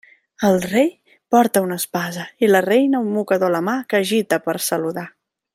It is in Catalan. El Rei porta una espasa i la Reina un mocador a la mà que agita per a saludar.